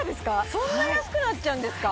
そんな安くなっちゃうんですか？